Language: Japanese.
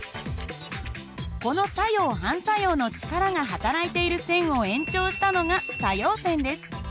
この作用・反作用の力がはたらいている線を延長したのが作用線です。